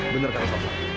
bener kan kava